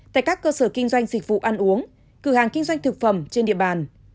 tại các cơ sở kinh doanh dịch vụ ăn uống cửa hàng kinh doanh thực phẩm trên địa bàn